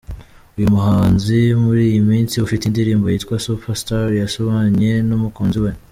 Uyu muhanzi muri iyi minsi ufite indirimbo yitwa ’Super Star’ yasomanye n’umukunzi we.